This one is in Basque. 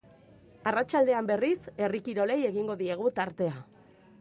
Arratsaldean, berriz, herri kirolei egingo diegu tartea.